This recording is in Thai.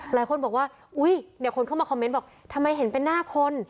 หลายคนบอกว่าอุ้ยเนี่ยคนเข้ามาคอมเมนต์บอกทำไมเห็นเป็นหน้าคน